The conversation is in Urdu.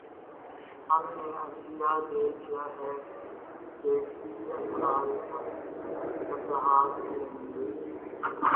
ہم نے عندیہ دے دیا ہے کہ فی الحال ہم محتاط ہی رہیں گے۔